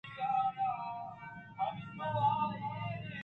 آہر روچ گوں کارگس ءُقلاتءِ کارندہءِ حیالاں گوں سُنٹ اَت